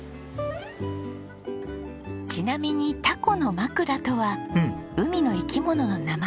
ちなみにタコノマクラとは海の生き物の名前。